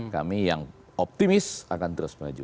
kami yang optimis akan terus maju